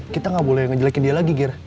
kita gak boleh ngejelekin dia lagi gir